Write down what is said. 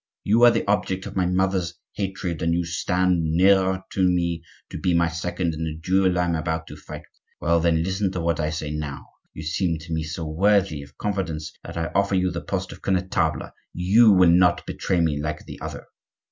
You are the object of my mother's hatred, and you stand near enough to me to be my second in the duel I am about to fight with her; well then, listen to what I now say. You seem to me so worthy of confidence that I offer you the post of connetable; you will not betray me like the other."